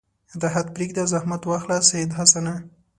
راحت پرېږده زحمت واخله سید حسنه.